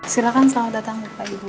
silahkan selamat datang pak ibu